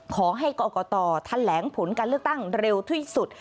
ขอให้กรกตแถลงผลการเลือกตั้งเร็วที่สุด